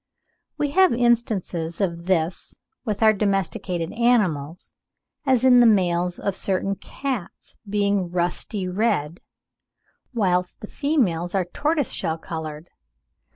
We have instances of this with our domesticated animals, as in the males of certain cats being rusty red, whilst the females are tortoise shell coloured.